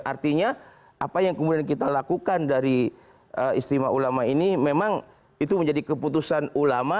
artinya apa yang kemudian kita lakukan dari istimewa ulama ini memang itu menjadi keputusan ulama